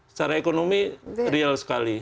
secara ekonomi real sekali